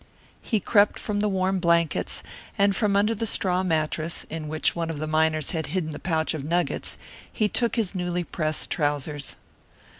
He crept from the warm blankets, and from under the straw mattress in which one of the miners had hidden the pouch of nuggets he took his newly pressed trousers.